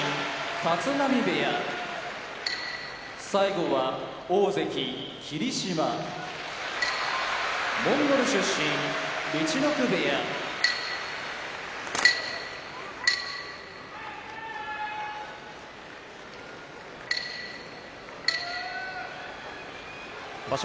立浪部屋大関・霧島モンゴル出身陸奥部屋場所